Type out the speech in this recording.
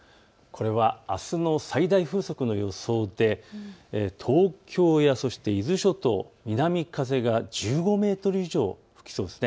これはあすの最大風速の予想で東京や伊豆諸島、南風が１５メートル以上吹きそうです。